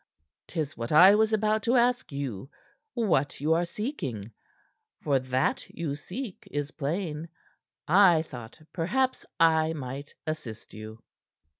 "Tis what I was about to ask you what you are seeking; for that you seek is plain. I thought perhaps I might assist you."